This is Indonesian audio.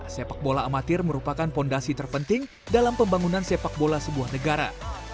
sepak bola amatir merupakan fondasi terpenting dalam pembangunan sepak bola sebuah negara